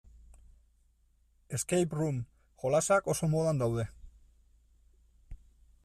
Escape-room jolasak oso modan daude.